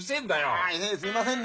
へいすいませんね。